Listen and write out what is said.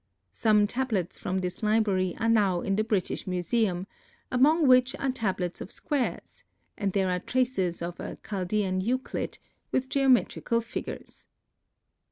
Some tablets from this library are now in the British Museum, among which are tables of squares, and there are traces of a Chaldean Euclid, with geometrical figures.